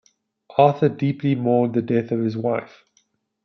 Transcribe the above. Arthur deeply mourned the death of his wife.